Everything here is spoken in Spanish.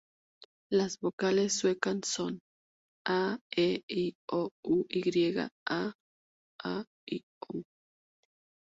Las vocales suecas son "a", "e", "i", "o", "u", "y", "å", "ä" y "ö".